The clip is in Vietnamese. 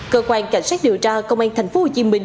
cơ quan cảnh sát điều tra công an tp hcm